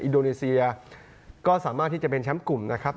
อินโดนีเซียก็สามารถที่จะเป็นแชมป์กลุ่มนะครับ